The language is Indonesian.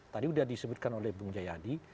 tadi sudah disebutkan oleh bung jayadi